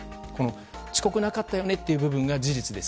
遅刻なかったよね？という部分が事実です。